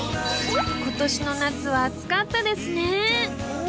今年の夏は暑かったですね。